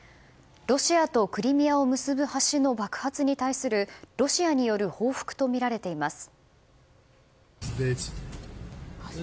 ロシアとクリミアを結ぶ橋の爆発に対するロシアによる報復とみられています。